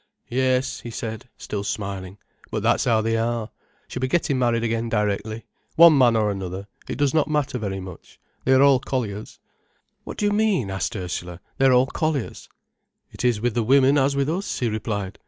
"Yes," he said, still smiling. "But that's how they are. She'll be getting married again directly. One man or another—it does not matter very much. They're all colliers." "What do you mean?" asked Ursula. "They're all colliers?" "It is with the women as with us," he replied.